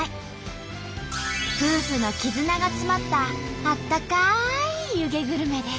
夫婦のきずなが詰まったあったかい湯気グルメです。